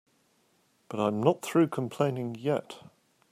But I'm not through complaining yet.